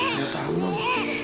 ya tau non